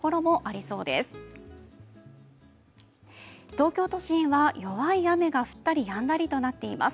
東京都心は弱い雨が降ったりやんだりとなっています。